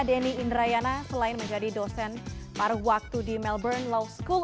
denny indrayana selain menjadi dosen paruh waktu di melbourne law school